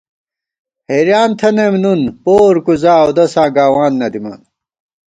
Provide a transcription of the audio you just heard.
ہېریان تھنَئم نُن پور کُوزا اؤدَساں گاوان نہ دِمان